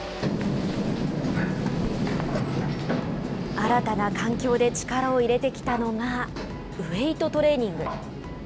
新たな環境で力を入れてきたのがウエイトトレーニング。